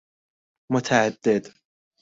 متعدد